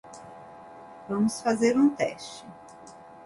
Gonçalves Dias